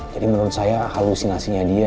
jadi menurut saya halusinasinya dia dia